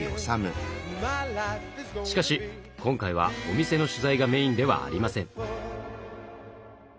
しかし今回はお店の取材がメインではありません。